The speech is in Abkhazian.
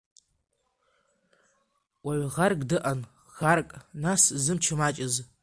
Уаҩ ӷарк дыҟан, ӷарк, нас, зымч маҷыз.